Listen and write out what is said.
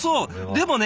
でもね